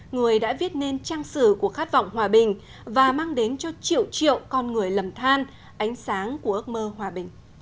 người đã viết nên trang sử của khát vọng hòa bình và mang đến cho triệu triệu con người lầm than ánh sáng của ước mơ hòa bình